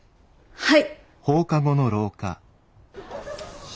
はい。